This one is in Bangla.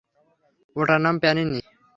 ওটার নাম প্যানিনি।